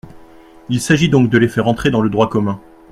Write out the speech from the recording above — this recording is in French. Il s’agit donc de les faire entrer dans le droit commun.